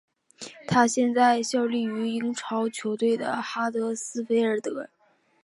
他现在效力于英超球队哈德斯菲尔德。